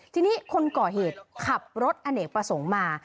ทีนี้คนก่อเหตุขับรถอเนกประสงค์มา